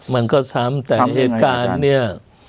มันก็ซ้ำแต่เหตุการณ์เนี่ย